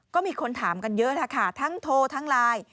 ก็มีคนถามกันเยอะนะคะทั้งโทรทั้งไลน์